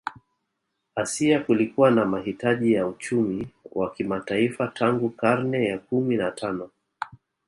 Asia kulikuwa na mahitaji ya uchumi wa kimataifa tangu karne ya kumi na tano